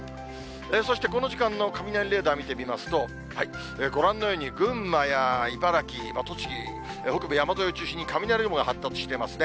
そして、この時間の雷レーダー見てみますと、ご覧のように、群馬や茨城、栃木、北部山沿いを中心に雷雲が発達していますね。